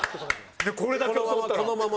これだけ教わったら。